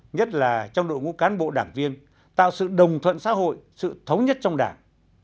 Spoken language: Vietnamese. nhất là trong đội ngũ cán bộ đảng viên tạo sự đồng thuận xã hội sự thống nhất trong đảng